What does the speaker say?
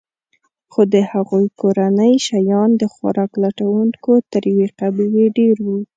خو د هغوی کورنۍ شیان د خوراک لټونکو تر یوې قبیلې ډېر وو.